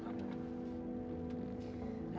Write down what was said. abang gak perlu punya maaf